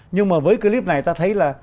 nhưng mà với clip này ta thấy là